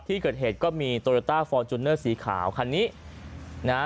ที่เกิดเหตุก็มีโตโยต้าฟอร์จูเนอร์สีขาวคันนี้นะฮะ